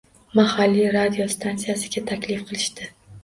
Mahalliy radiostansiyaga taklif qilishdi.